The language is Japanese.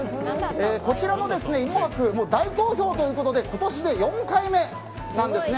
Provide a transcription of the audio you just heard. こちらの芋博大好評ということで今年で４回目なんですね。